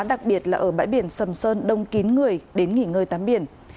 đặc biệt là ở bãi biển sầm sơn đông kín người đến nghỉ ngơi tắm biển